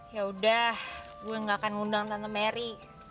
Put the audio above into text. yaudah gue gak akan ngundang tante mary